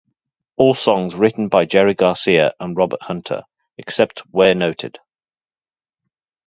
All songs written by Jerry Garcia and Robert Hunter, except where noted.